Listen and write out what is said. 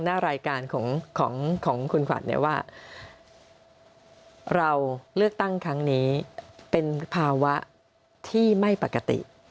หน้ารายการของของคุณขวัญเนี่ยว่าเราเลือกตั้งครั้งนี้เป็นภาวะที่ไม่ปกติ